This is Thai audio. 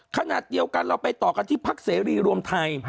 ขณะเดียวกันเราไปต่อกันที่พักเสรีรวมไทย